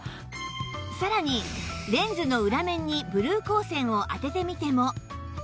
さらにレンズの裏面にブルー光線を当ててみても